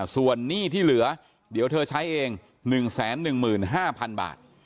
ส่วนหนี้ที่เหลือเดี๋ยวเธอใช้เอง๑๑๕๐๐๐บาท